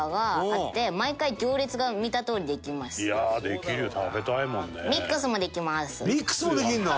いやあできるよ。食べたいもんね。ミックスもできるの！？